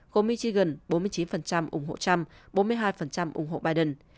gồm michigan bốn mươi chín ủng hộ trump bốn mươi hai ủng hộ biden